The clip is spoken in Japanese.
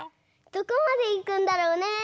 どこまでいくんだろうね？